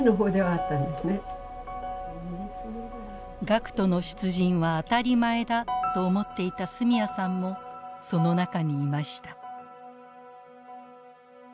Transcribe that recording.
学徒の出陣は当たり前だと思っていた角谷さんもその中にいました。